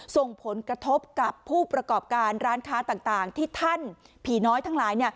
ส่งผลกระทบกับผู้ประกอบการร้านค้าต่างที่ท่านผีน้อยทั้งหลาย